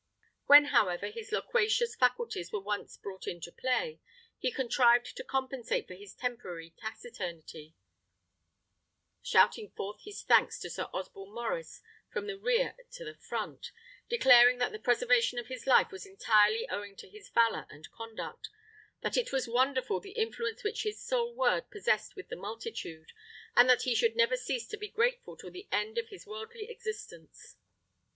When, however, his loquacious faculties were once brought into play, he contrived to compensate for his temporary taciturnity, shouting forth his thanks to Sir Osborne Maurice from the rear to the front, declaring that the preservation of his life was entirely owing to his valour and conduct; that it was wonderful the influence which his sole word possessed with the multitude, and that he should never cease to be grateful till the end of his worldly existence.